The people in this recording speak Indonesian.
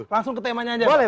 langsung ke temanya aja